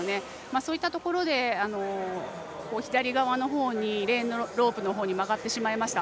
そういったところで左側のほうにレーンのロープのほうに曲がってしまいました。